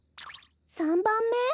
３ばんめ？